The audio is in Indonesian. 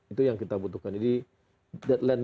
itu yang kita butuhkan jadi deadline